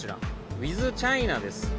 ウィズチャイナです。